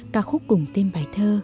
các khúc cùng tên bài thơ